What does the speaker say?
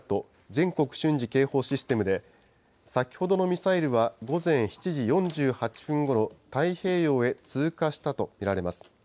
・全国瞬時警報システムで、先ほどのミサイルは午前７時４８分ごろ、太平洋へ通過したと見られます。